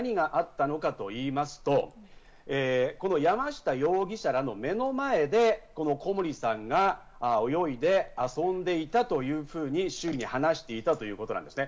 １０月６日に何があったのかといいますと、この山下容疑者らの目の前で小森さんが泳いで遊んでいたというふうに周囲に話していたということなんですね。